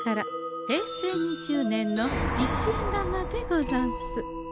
平成２０年の一円玉でござんす。